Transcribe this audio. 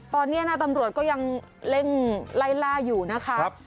ตอนนี้นะตำรวจก็ยังเร่งไล่ล่าอยู่นะคะ